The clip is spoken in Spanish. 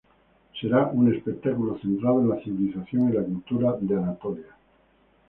Será un espectáculo centrado en la civilización y la cultura de Anatolia.